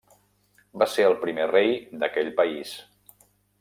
Va ser el primer rei d'aquell país.